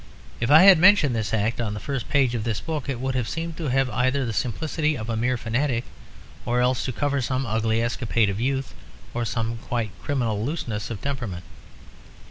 If I had mentioned this act on the first page of this book it would have seemed to have either the simplicity of a mere fanatic or else to cover some ugly escapade of youth or some quite criminal looseness of temperament.